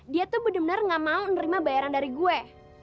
dia tuh bener bener gak mau nerima bayaran dari gue